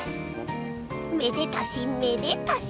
めでたしめでたし！